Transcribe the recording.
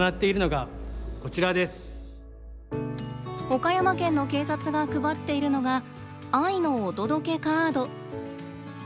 岡山県の警察が配っているのが「愛のお届けカード」。